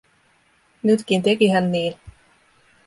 Nytkin teki hän niin.